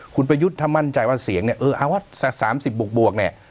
คุณประยุทธ์ถ้ามั่นใจว่าเสียงเนี่ยเออเอาว่าสัก๓๐บวกเนี่ย